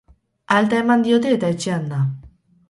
Alta eman diote eta etxean da.